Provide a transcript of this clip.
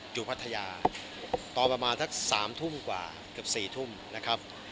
อยู่พัทยาตอนประมาณทั้งสามทุ่มกว่าเกือบสี่ทุ่มนะครับ